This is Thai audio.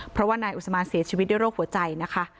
เพราะว่านายอุศมานเสียชีวิตด้วยโรคหัวใจนะคะ